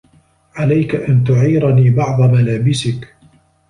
عليك أن تعيرني بعض ملابسك.